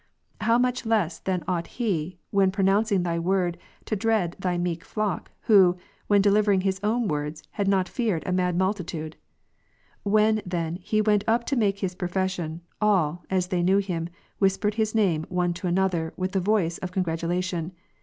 How much less then ought he, when pronouncing Thy word, to dread Thy meek flock, who, when delivering his own words, had not feared a mad multitude !" When, then, he|went up to make his profession, all, as they knew him, whispered his name one to another with the voice of congratulation.